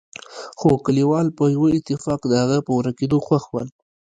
خو کليوال په يوه اتفاق د هغه په ورکېدو خوښ ول.